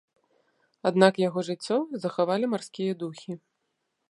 Аднак яго жыццё захавалі марскія духі.